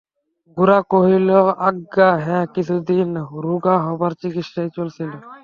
গোরা কহিল, আজ্ঞা হাঁ, কিছুদিন রোগা হবার চিকিৎসাই চলছিল।